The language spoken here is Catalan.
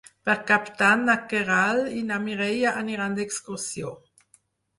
Per Cap d'Any na Queralt i na Mireia aniran d'excursió.